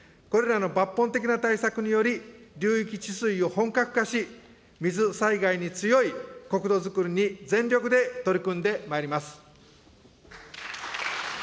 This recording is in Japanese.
これらの抜本的な対策により、流域治水を本格化し、水災害に強い国土づくりに全力で取り組んでまいります。